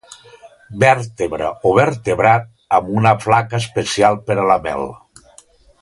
Vèrtebra o vertebrat amb una flaca especial per a la mel.